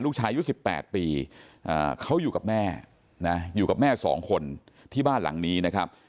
ลูกชายอายุ๑๘ปีเขาอยู่กับแม่นะอยู่กับแม่๒คนที่บ้านหลังนี้นะครับ